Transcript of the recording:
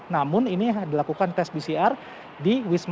namun ini dilakukan tes pcr di wisma